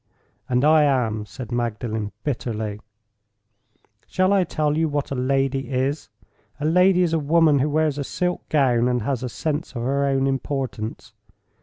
"And I am," said Magdalen, bitterly. "Shall I tell you what a lady is? A lady is a woman who wears a silk gown, and has a sense of her own importance.